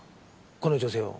この女性を。